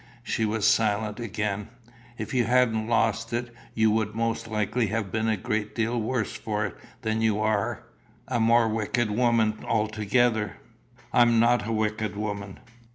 She was silent yet again. "If you hadn't lost it you would most likely have been a great deal worse for it than you are a more wicked woman altogether." "I'm not a wicked woman."